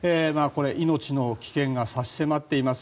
命の危険が差し迫っています。